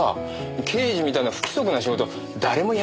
刑事みたいな不規則な仕事誰もやりたがらないんだと。